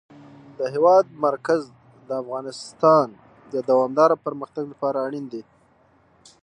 د هېواد مرکز د افغانستان د دوامداره پرمختګ لپاره اړین دي.